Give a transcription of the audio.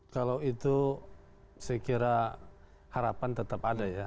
kalau itu saya kira harapan tetap ada ya